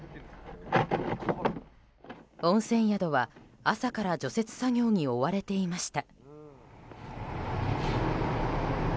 温泉宿は朝から除雪作業に追われていました。